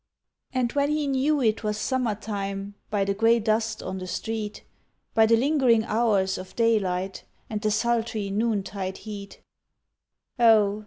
And when he knew it was summer time By the grey dust on the street, By the lingering hours of daylight, And the sultry noon tide heat Oh!